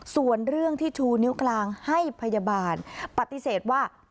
ส่วนเรื่องที่ชูนิ้วกลางให้พยาบาลปฏิเสธว่า